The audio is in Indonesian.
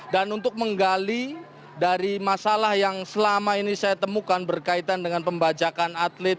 untuk menggali dari masalah yang selama ini saya temukan berkaitan dengan pembajakan atlet